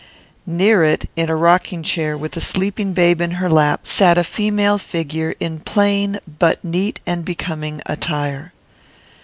Near it, in a rocking chair, with a sleeping babe in her lap, sat a female figure in plain but neat and becoming attire.